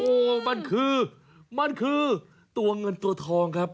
โอ้โหมันคือมันคือตัวเงินตัวทองครับ